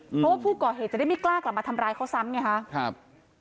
เพราะว่าผู้ก่อเหตุจะได้ไม่กล้ากลับมาทำร้ายเขาซ้ำไงคะครับ